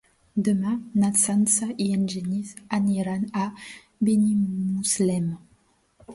Demà na Sança i en Genís aniran a Benimuslem.